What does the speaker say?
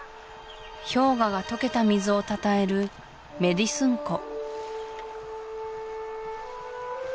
氷河が解けた水をたたえるメディスン湖